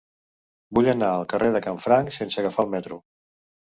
Vull anar al carrer de Canfranc sense agafar el metro.